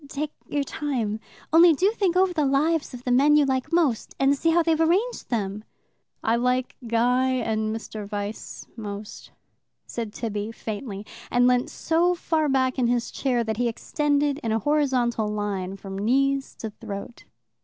Take your time. Only do think over the lives of the men you like most, and see how they've arranged them." "I like Guy and Mr. Vyse most," said Tibby faintly, and leant so far back in his chair that he extended in a horizontal line from knees to throat.